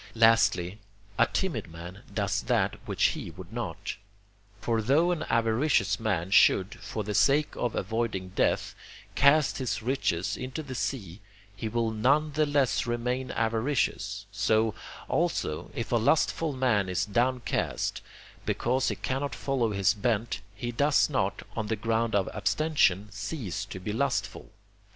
Lastly, a timid man does that which he would not. For though an avaricious man should, for the sake of avoiding death, cast his riches into the sea, he will none the less remain avaricious; so, also, if a lustful man is downcast, because he cannot follow his bent, he does not, on the ground of abstention, cease to be lustful.